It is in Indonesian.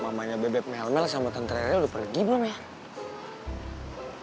mamanya bebek melmel sama tentralnya udah pergi belum ya